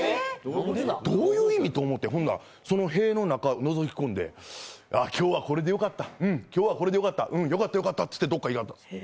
どういう意味と思ってほんなら塀の中のぞき込んであ、今日はこれでよかったこれでよかった、よかったよかったと言ってどっか行かれたんですよ。